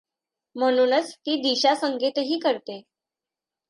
म्हणूनच ती दिशासंकेतही करते.